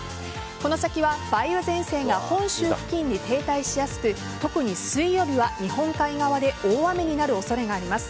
この先は、梅雨前線が本州付近に停滞しやすく特に水曜日は日本海側で大雨になる恐れがあります。